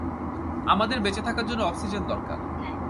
আমাদের বেঁচে থাকার জন্য অক্সিজেন দরকার।